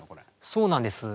そうなんです。